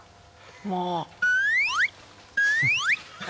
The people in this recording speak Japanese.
もう。